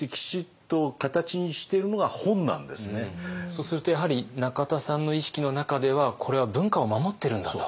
そうするとやはり中田さんの意識の中ではこれは文化を守ってるんだと。